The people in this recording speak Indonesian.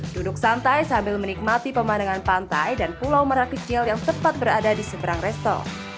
duduk santai sambil menikmati pemandangan pantai dan pulau merah kecil yang tepat berada di seberang resto